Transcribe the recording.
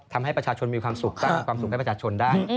ทำให้ประชาชนมีความสุขสร้างความสุขให้ประชาชนได้